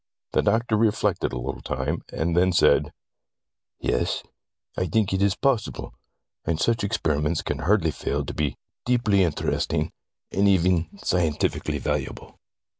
The doctor reflected for a little time, and then said :' Yes, I think it is possible, and such experiments can hardly fail to be deeply interesting, and even scientifically valuable.'